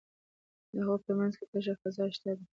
د هغوی په منځ کې تشه فضا شته ده.